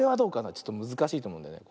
ちょっとむずかしいとおもうんだよね。